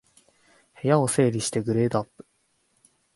部屋を整理してグレードアップ